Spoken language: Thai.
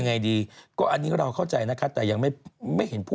ไม่ใช่นี่แม่